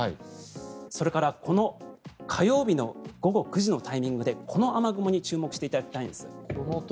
それから、火曜日の午後９時のタイミングでこの雨雲に注目していただきたいんです。